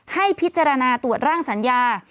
ให้พิจารณาตรวจร่างสัญญา